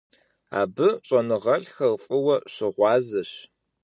Абы щӏэныгъэлӏхэр фӀыуэ щыгъуазэщ.